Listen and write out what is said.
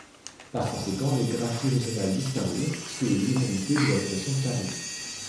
Par conséquent, les graphies régionales disparurent, sous l'uniformité de la notation carrée.